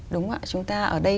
đúng không ạ chúng ta ở đây